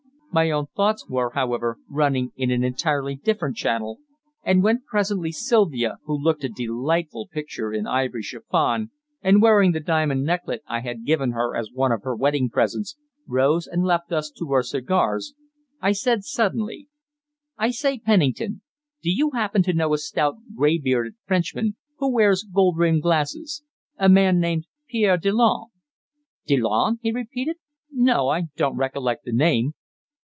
My own thoughts were, however, running in an entirely different channel, and when presently Sylvia, who looked a delightful picture in ivory chiffon, and wearing the diamond necklet I had given her as one of her wedding presents, rose and left us to our cigars, I said suddenly "I say, Pennington, do you happen to know a stout, grey bearded Frenchman who wears gold rimmed glasses a man named Pierre Delanne?" "Delanne?" he repeated. "No, I don't recollect the name."